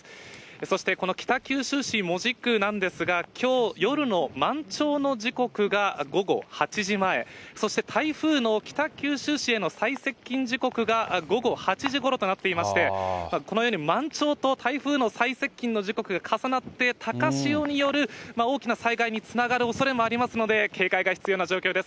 そしてこの北九州市門司区なんですが、きょう夜の満潮の時刻が午後８時前、そして台風の北九州市への最接近時刻が午後８時ごろとなっていまして、このように満潮と台風の最接近の時刻重なって、高潮による大きな災害につながるおそれもありますので、警戒が必要な状況です。